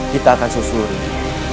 kita akan susuri